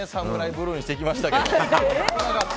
ブルーにしてきましたけど。